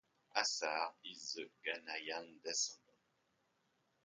Asare is of Ghanaian descent.